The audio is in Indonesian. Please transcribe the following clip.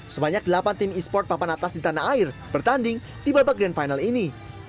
sebanyak delapan tim e sport papan atas di tanah air bertanding di babak grand final ini